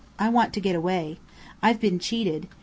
I want to get away. I've been cheated.